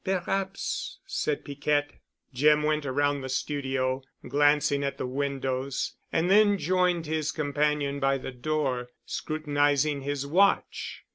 "Perhaps," said Piquette. Jim went around the studio, glancing at the windows, and then joined his companion by the door, scrutinizing his watch.